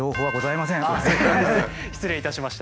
失礼いたしました。